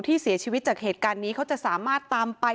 ที่เสียชีวิตจากเหตุการณ์นี้เขาจะสามารถตามไป